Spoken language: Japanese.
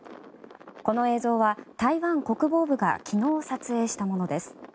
この映像は台湾国防部が昨日、撮影したものです。